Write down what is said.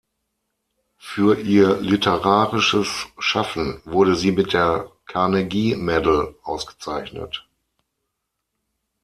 Für ihr literarisches Schaffen wurde sie mit der Carnegie Medal ausgezeichnet.